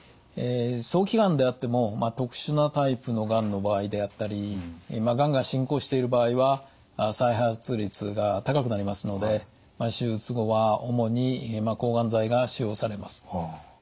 早期がんであっても特殊なタイプのがんの場合であったりがんが進行している場合は再発率が高くなりますので手術後は主に抗がん剤が使用されます。